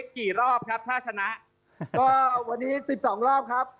ก็วันนี้๑๒รอบครับ